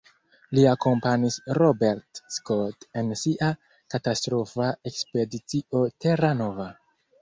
Li akompanis Robert Scott en sia katastrofa Ekspedicio Terra Nova.